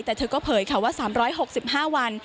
แต่เธอก็เปิดเขาว่า๓๖๕วัน